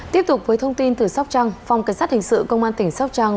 tiếp tục với thông tin từ sóc trăng phòng cảnh sát hình sự công an tỉnh sóc trăng